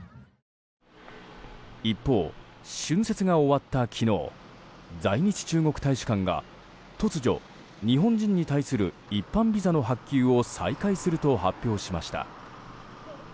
一方、春節が終わった昨日在日中国大使館が突如、日本人に対する一般ビザの発給を再開すると発表しました。